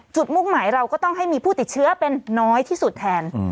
มุ่งหมายเราก็ต้องให้มีผู้ติดเชื้อเป็นน้อยที่สุดแทน